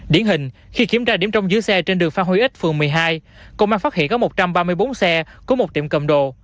điển hình khi kiểm tra điểm trong giữ xe trên đường phan huy ích phường một mươi hai công an phát hiện có một trăm ba mươi bốn xe của một tiệm cầm đồ